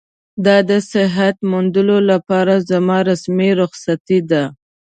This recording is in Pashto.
دا د صحت موندلو لپاره زما رسمي رخصتي ده.